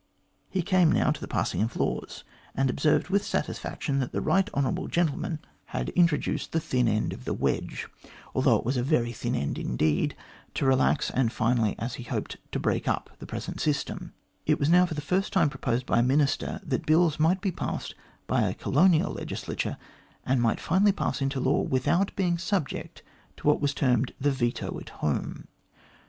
He came now to the passing of laws, and he observed with satisfaction that the right hon. gentleman had MR GLADSTONE'S TRUE PRINCIPLES OF COLONISATION 217 introduced the thin end of the wedge, although it was a very thin end indeed, to relax, and finally, as he hoped, to break up the present system. It was now for the first time proposed by a Minister that Bills might be passed by a Colonial Legislature, and might finally pass into law without being subject to what was termed the veto at home.